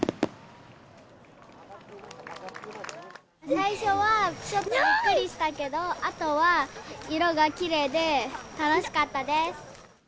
最初はちょっとびっくりしたけど、あとは色がきれいで楽しかったです。